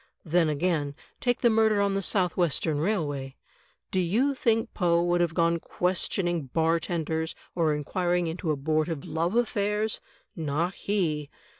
Then, again, take the murder on the South Western Railway. Do you think Poe would have gone questioning bartenders or inquiring into abortive love affairs? Not he!